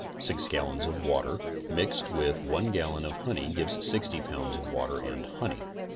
6 gallons of water mix ed with 1 gallon of honey gives 60 pounds of water and honey.